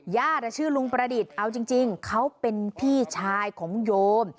ชื่อลุงประดิษฐ์เอาจริงเขาเป็นพี่ชายของโยม